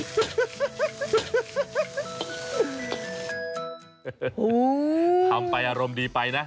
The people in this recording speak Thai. โอ้โหทำไปอารมณ์ดีไปนะ